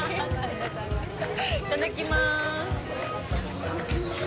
いただきます。